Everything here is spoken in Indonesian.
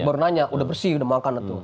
baru nanya udah bersih udah makan tuh